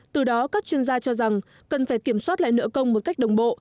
từ đó các chuyên gia cho rằng cần phải kiểm soát lại nợ công một cách đồng bộ